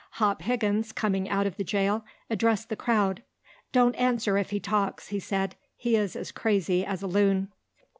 Hop Higgins, coming out of the jail, addressed the crowd. "Don't answer if he talks," he said; "he is as crazy as a loon."